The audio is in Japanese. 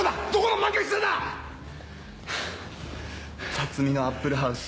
辰巳のアップルハウス。